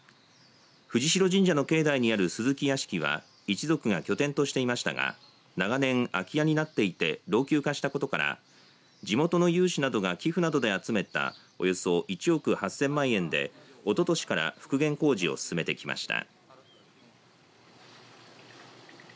藤白神社に境内にある鈴木屋敷は一族が拠点としていましたが長年、空き家になっていて老朽化したことから地元の有志などが寄付などで集めたおよそ１億８０００万円でおととしから復元工事を進めてきました。